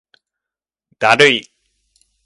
だるい